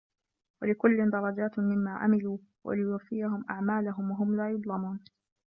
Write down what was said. وَلِكُلٍّ دَرَجاتٌ مِمّا عَمِلوا وَلِيُوَفِّيَهُم أَعمالَهُم وَهُم لا يُظلَمونَ